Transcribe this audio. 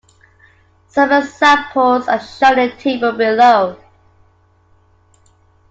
Some examples are shown in the table below.